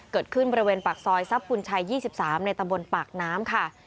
เกิดขึ้นบริเวณปากซอยทรัพย์บุญชัย๒๓ในตำบลปากน้ำค่ะ